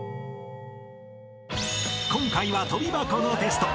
［今回は跳び箱のテスト］